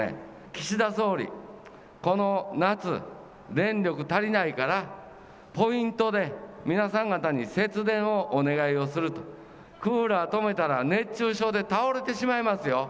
岸田総理、この夏、電力足りないからポイントで皆さん方に節電をお願いをすると、クーラー止めたら熱中症で倒れてしまいますよ。